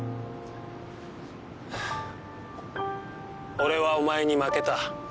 俺はお前に負けた。